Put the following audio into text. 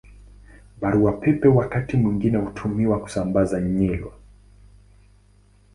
Barua Pepe wakati mwingine hutumiwa kusambaza nywila.